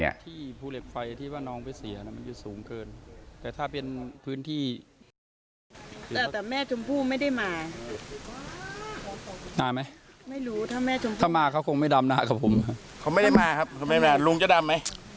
อยากให้แม่ชมพู่มาดำนาด้วยไหม